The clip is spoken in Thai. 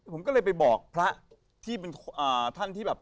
ผมก็เรียกไปบอกพระท่านที่